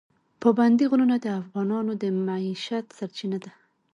پابندی غرونه د افغانانو د معیشت سرچینه ده.